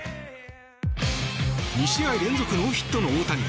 ２試合連続ノーヒットの大谷。